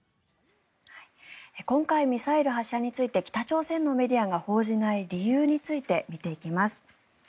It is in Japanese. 今回ミサイル発射について北朝鮮のメディアが報じない理由について見ていきます。